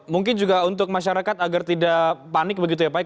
mungkin juga untuk masyarakat agar tidak panik begitu ya pak